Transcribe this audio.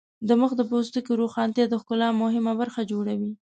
د مخ د پوستکي روښانتیا د ښکلا مهمه برخه جوړوي.